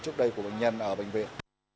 trước đây của bệnh nhân ở bệnh viện